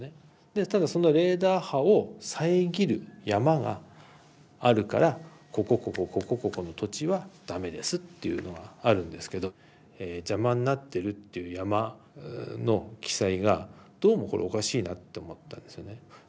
でただそのレーダー波を遮る山があるからここここここここの土地は駄目ですっていうのがあるんですけど邪魔になってるっていう山の記載がどうもこれおかしいなって思ったんですよね。